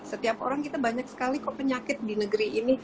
setiap orang kita banyak sekali kok penyakit di negeri ini